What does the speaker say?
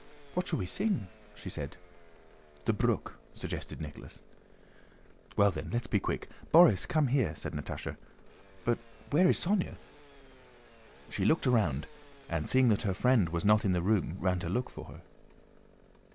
"What shall we sing?" she said. "'The Brook,'" suggested Nicholas. "Well, then, let's be quick. Borís, come here," said Natásha. "But where is Sónya?" She looked round and seeing that her friend was not in the room ran to look for her.